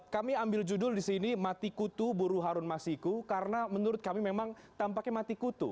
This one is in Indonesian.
kami ambil judul di sini mati kutu buru harun masiku karena menurut kami memang tampaknya mati kutu